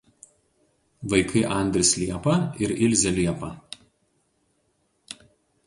Vaikai Andris Liepa ir Ilzė Liepa.